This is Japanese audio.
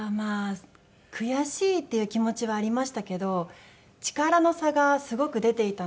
悔しいっていう気持ちはありましたけど力の差がすごく出ていたので。